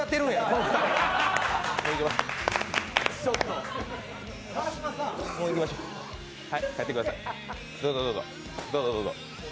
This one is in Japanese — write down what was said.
どうぞどうぞ。